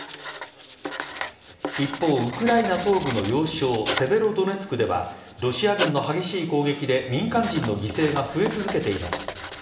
一方、ウクライナ東部の要衝セベロドネツクではロシア軍の激しい攻撃で民間人の犠牲が増え続けています。